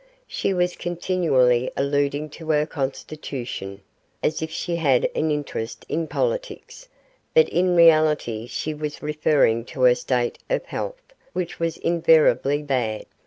She was continually alluding to her 'constitootion', as if she had an interest in politics, but in reality she was referring to her state of health, which was invariably bad.